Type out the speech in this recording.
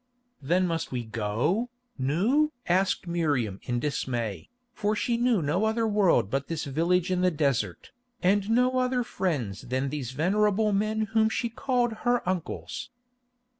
"Then must we go, Nou?" asked Miriam in dismay, for she knew no other world but this village in the desert, and no other friends than these venerable men whom she called her uncles.